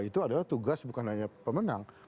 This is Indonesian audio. itu adalah tugas bukan hanya pemenang